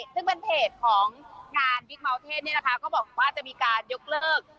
ซึ่งเป็นเพจของงานบิ๊กเมาส์เทศเนี่ยนะคะก็บอกว่าจะมีการยกเลิก